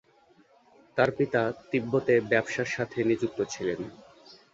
তার পিতা তিব্বতে ব্যবসার সাথে নিযুক্ত ছিলেন।